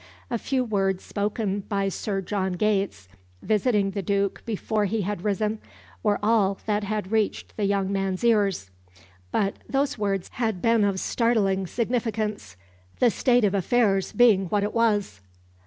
A few words spoken by Sir John Gates, visiting the Duke before he had risen, were all that had reached the young man's ears, but those words had been of startling significance, the state of affairs being what it was.